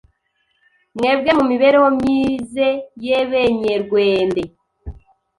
mwembe mu mibereho myize y’Ebenyerwende